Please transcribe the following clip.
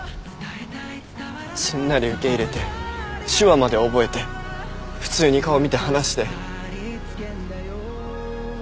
すんなり受け入れて手話まで覚えて普通に顔見て話して。